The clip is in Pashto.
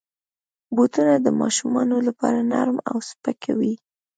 بوټونه د ماشومانو لپاره نرم او سپک وي.